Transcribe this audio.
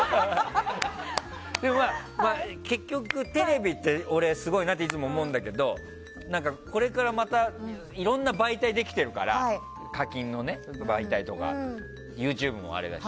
でも、結局テレビって俺、すごいなっていつも思うんだけどこれからいろんな媒体できてるから課金の媒体とかＹｏｕＴｕｂｅもあれだし。